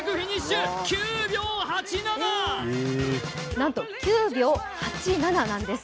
なんと９秒８７なんです。